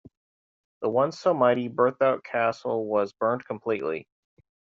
The once so mighty Berthout Castle was burnt completely.